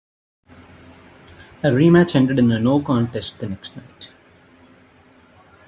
A rematch ended in a no contest the next night.